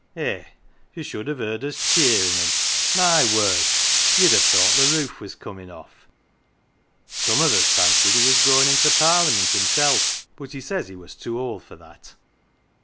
Eh, you should have heard us cheerin' him ! My word ! you'd have thought the roof was comin' off. Some of us fancied he was goin* into Parliament himself, but he says he was too old for that.